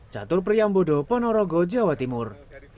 catur priyambodo ponorogo jawa timur